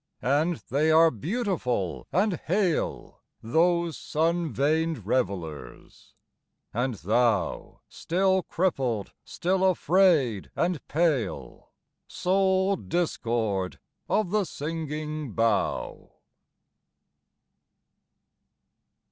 And they are beautiful and hale, Those sun veined revellers; and thou Still crippled, still afraid and pale, Sole discord of the singing bough!